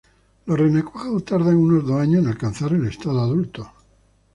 Los renacuajos tardan unos dos años en alcanzar el estado adulto.